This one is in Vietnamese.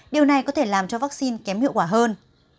điều này có thể làm cho vaccine kém hiệu quả hơn